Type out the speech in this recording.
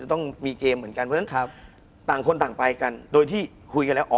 คุณผู้ชมบางท่าอาจจะไม่เข้าใจที่พิเตียร์สาร